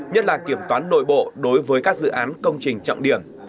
nhất là kiểm toán nội bộ đối với các dự án công trình trọng điểm